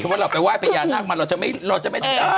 เพราะเราไปไหว้ไปยานักมันเราจะไม่เราจะไม่